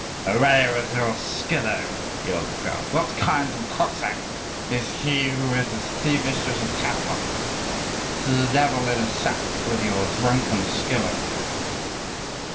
"Away with your Schilo!" yelled the crowd; "what kind of a Cossack is he who is as thievish as a Tatar? To the devil in a sack with your drunken Schilo!"